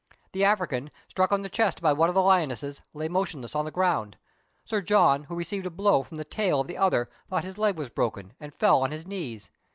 The African, struck on the chest by one of the lionesses, lay motionless on the ground ; Sir John, who received a blow from the tail of the other, thought his leg was broken, and fell on his knees.